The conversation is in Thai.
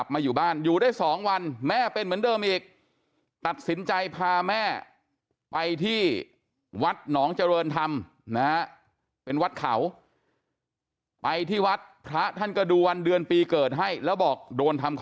มันปวดมันนุกมันไอ้กระดูกหูจะหลุดออกมา